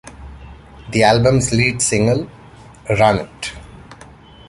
The album's lead single, Run It!